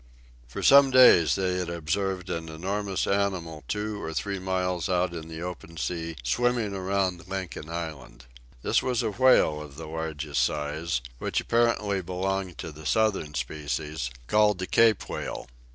For some days they had observed an enormous animal two or three miles out in the open sea swimming around Lincoln Island. This was a whale of the largest size, which apparently belonged to the southern species, called the "Cape Whale."